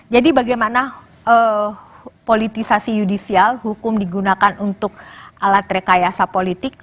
jadi bagaimana politisasi yudisial hukum digunakan untuk alat rekayasa politik